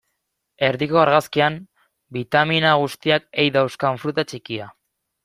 Erdiko argazkian, bitamina guztiak ei dauzkan fruta txikia.